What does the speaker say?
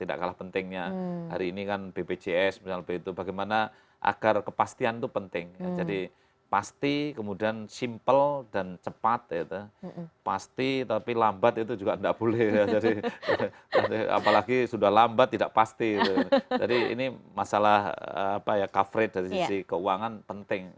tidak kalah pentingnya hari ini kan bpjs misalnya lebih itu bagaimana agar kepastian itu penting ya jadi pasti kemudian simple dan cepat ya itu pasti tapi lambat itu juga tidak boleh ya jadi apalagi sudah lambat tidak pasti itu jadi ini masalah apa ya cover rate dari sisi keuangan penting